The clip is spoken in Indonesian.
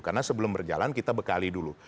karena sebelum berjalan kita bekali dulu